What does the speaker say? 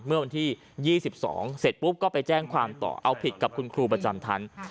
เมื่อวันที่๒๒เสร็จปุ๊บก็ไปแจ้งความต่อเอาผิดกับคุณครูประจำชั้น